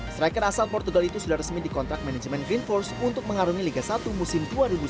striker asal portugal itu sudah resmi dikontrak manajemen green force untuk mengarungi liga satu musim dua ribu sembilan belas